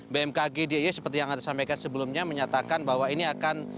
bmkg d i y seperti yang disampaikan sebelumnya menyatakan bahwa ini akan